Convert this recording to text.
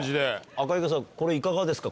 赤池さんこれいかがですか？